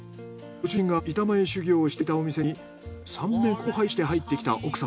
ご主人が板前修業をしていたお店に３年後輩として入ってきた奥様。